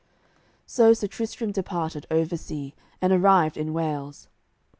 So Sir Tristram departed over sea, and arrived in Wales.